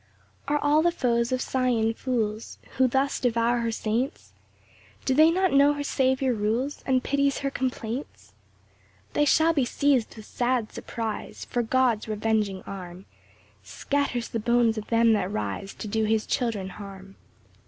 1 Are all the foes of Sion fools, Who thus devour her saints? Do they not know her Saviour rules, And pities her complaints? 2 They shall be seiz'd with sad surprise; For God's revenging arm Scatters the bones of them that rise To do his children harm.